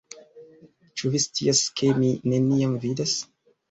Ĉu vi scias, ke mi neniam vidas